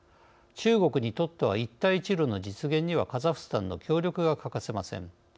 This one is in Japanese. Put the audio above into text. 中国にとっては一帯一路の実現にはカザフスタンの協力が欠かせません。